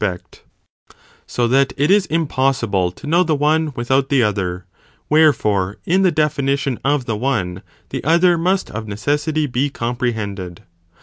spect, so that it is impossible to know the one without the other, wherefore in the definition of the one, the other must of necessity be comprehended.